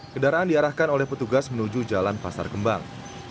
kendaraan diarahkan oleh petugas menuju jalan pasar kembang